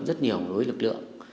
rất nhiều đối với lực lượng